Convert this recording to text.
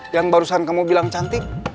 yang barusan kamu bilang cantik